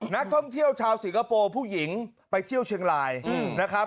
นักท่องเที่ยวชาวสิงคโปร์ผู้หญิงไปเที่ยวเชียงรายนะครับ